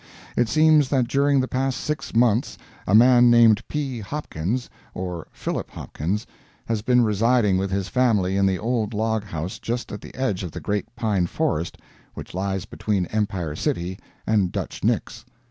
It seems that during the past six months a man named P. Hopkins, or Philip Hopkins, has been residing with his family in the old log house just at the edge of the great pine forest which lies between Empire City and Dutch Nick's.